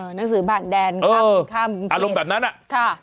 เออหนังสือผ่านแดนครับข้ามเมียเทศค่ะอารมณ์แบบนั้นนะ